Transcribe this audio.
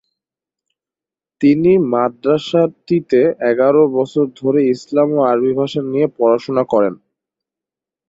তিনি মাদ্রাসাটিতে এগারো বছর ধরে ইসলাম ও আরবি ভাষা নিয়ে পড়াশোনা করেন।